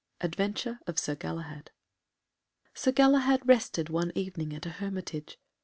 Adventure of Sir Galahad. Sir Galahad rested one evening at a hermitage.